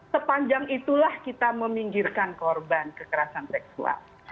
sepanjang itulah kita meminggirkan korban kekerasan seksual